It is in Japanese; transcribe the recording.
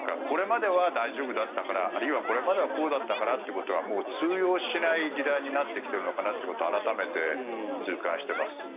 これまでは大丈夫だったからあるいは、これまではこうだったからというのがもう通用しない時代になってきているのかなということを改めて痛感しています。